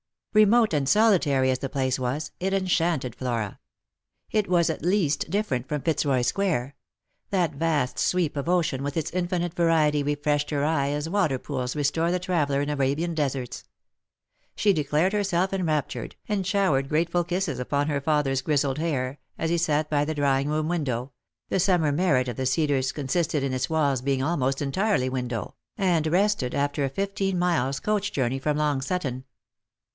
Remote and solitary as the place was, it enchanted Flora. It was at least different from Fitzroy square ; that vast sweep of ocean with its infinite variety refreshed her eye as water pools restore the traveller in Arabian deserts. She declared herself enraptured, and showered grateful kisses upon her father's grizzled hair, as he sat by the drawing room window— the summer merit of the Cedars consisted in its walls being almost entirely window — and rested after a fifteen miles coach journey from Long Sutton.